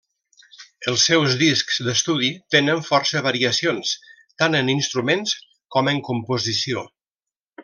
Els seus discs d'estudi tenen força variacions, tant en instruments com en composició.